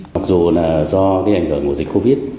học dụ là do ảnh hưởng của dịch covid